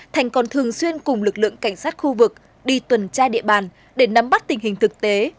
thành còn thường xuyên cùng lực lượng cảnh sát khu vực đi tuần tra địa bàn để nắm bắt tình hình thực tế